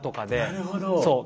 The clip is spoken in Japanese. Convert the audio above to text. なるほど。